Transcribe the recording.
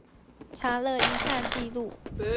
查了一下記錄